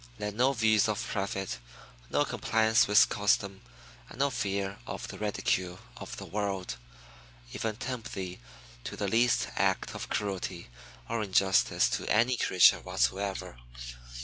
Let no views of profit, no compliance with custom, and no fear of the ridicule of the world, even tempt thee to the least act of cruelty or injustice to any creature whatsoever.